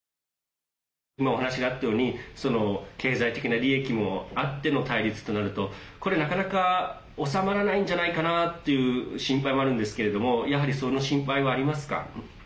今、お話があったように経済的な利益もあっての対立となると、これ、なかなか収まらないんじゃないかなっていう心配もあるんですけれどもやはり、その心配はありますか？